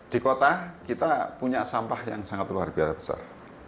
di kota kita punya sampah yang sangat luar biasa besar